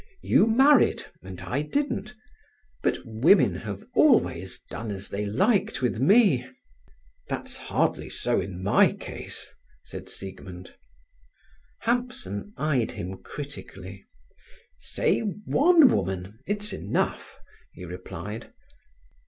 You married and I didn't; but women have always done as they liked with me." "That's hardly so in my case," said Siegmund. Hampson eyed him critically. "Say one woman; it's enough," he replied.